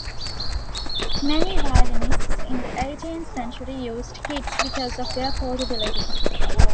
Many violinists in the eighteenth century used kits because of their portability.